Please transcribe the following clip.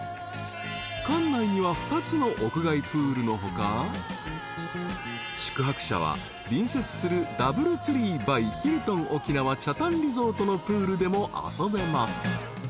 ［館内には２つの屋外プールの他宿泊者は隣接するダブルツリーｂｙヒルトン沖縄北谷リゾートのプールでも遊べます］